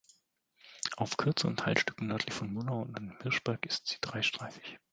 Auf kürzeren Teilstücken nördlich von Murnau und am Hirschberg ist sie dreistreifig.